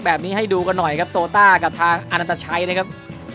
แบบนี้ให้ดูกันหน่อยครับโตต้ากับทางอนันตชัยนะครับ